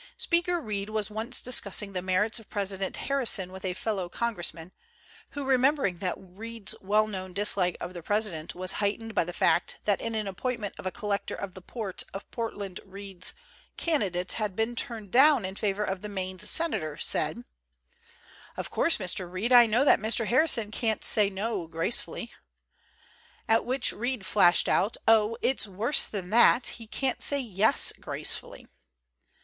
Speaker Reed was once discussing the merits of President Harrison with a fellow congress 170 THE GENTLE ART OF REPARTEE man, who, remembering that Reed's well known dislike of the President was heightened by the fact that in the appointment of a collector of the port of Portland Reed's candidate had been turned down in favor of the Maine senator's, said: "Of course, Mr. Reed, I know that Mr. Har rison can't say 'No' gracefully." At which Reed flashed out: "Oh, it's worse than that. He can't say 'Yes' gracefully."